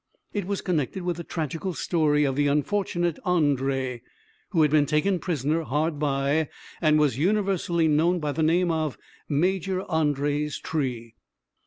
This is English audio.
It was connected with the tragical story of the unfortunate André, who had been taken prisoner hard by; and was universally known by the name of Major André's tree.